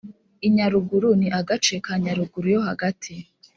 Inyaruguru Ni agace ka Nyaruguru yo hagati